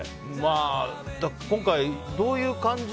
今回、どういう感じ。